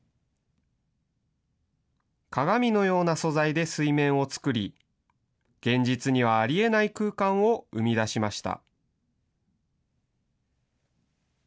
鏡のような素材で水面を作り、現実にはありえない空間を生み出しました。